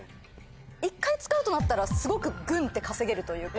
一回使うとなったらすごくグンって稼げるというか。